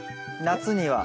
夏には。